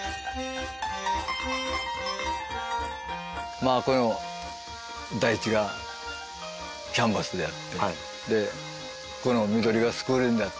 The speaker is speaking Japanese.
まあこの大地がキャンバスであってこの緑がスクリーンであったり。